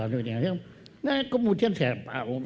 nah kemudian saya bangun